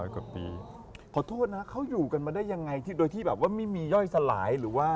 กว่าปีขอโทษนะเขาอยู่กันมาได้ยังไงที่โดยที่แบบว่าไม่มีย่อยสลายหรือว่า